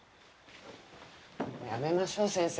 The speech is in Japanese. やめましょう先生。